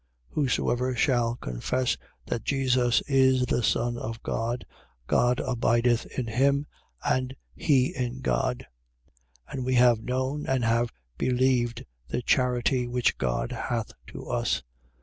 4:15. Whosoever shall confess that Jesus is the Son of God, God abideth in him, and he in God. 4:16. And we have known and have believed the charity which God hath to us.